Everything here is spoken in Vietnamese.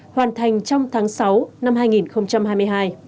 hoàn thành trong tháng sáu năm hai nghìn hai mươi hai